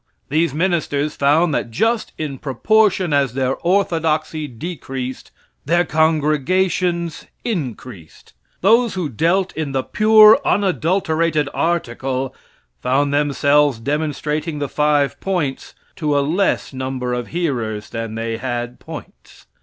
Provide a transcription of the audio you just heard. These ministers found that just in proportion as their orthodoxy decreased, their congregations increased. Those who dealt in the pure unadulterated article, found themselves demonstrating the five points to a less number of hearers than they had points.